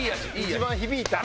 一番響いた人。